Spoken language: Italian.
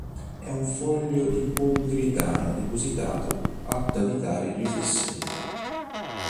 È un foglio di poliuretano depositato, atto a evitare riflessioni.